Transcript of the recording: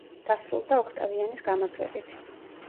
დასრულდა ოქტავიანეს გამარჯვებით.